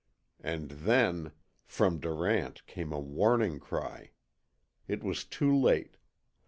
And then From Durant came a warning cry. It was too late.